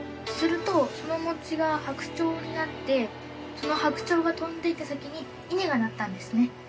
するとその餅が白鳥になってその白鳥が飛んでいった先に稲がなったんですね。